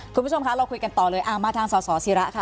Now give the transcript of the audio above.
คุณผู้ชมคะเราคุยกันต่อเลยมาทางสสิระค่ะ